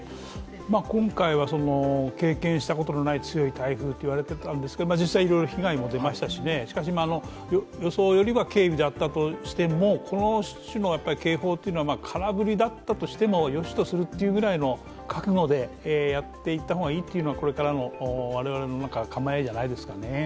今回は、経験したことのない強い台風と言われていたんですけど実際いろいろ被害も出ましたししかし、予想よりは軽微だったとしても、この種の警報は空振りだったとしても、よしとするというような覚悟でやっていった方がいいというのがこれからの我々の構えじゃないですかね。